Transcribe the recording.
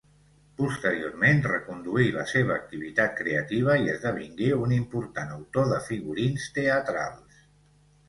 Posteriorment, reconduí la seva activitat creativa i esdevingué un important autor de figurins teatrals.